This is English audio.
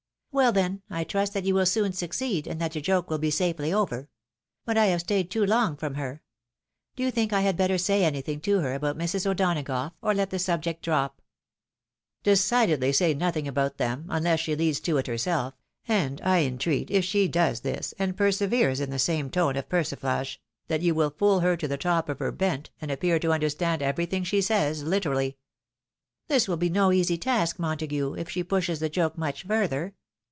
" Well, then, I trust that you will soon succeed, and that the joke will be safely over. But I have staid too long from her. 152 THE WIDOW MAKRIBD. Do you think I had better say anything to her about Mrs. O'Donagough, or let the subject drop ?"" Decidedly say nothing about them, unless she leads to it herself, and I entreat, if she does this, and perseveres in the same tone oi persiflage, that you will ' fool her to the top of her bent,' and appear to understand everything she says literally." " This will be no easy task, Montague, if she pushes the joke much further.